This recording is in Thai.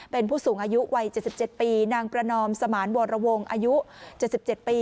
เป็นผู้สูงอายุวัย๗๗ปีนางประนอมสมานวรวงอายุ๗๗ปี